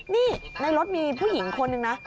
นี่ในรถมีผู้หญิงคนนึงนะ